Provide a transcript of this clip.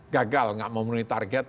gagal gak memenuhi target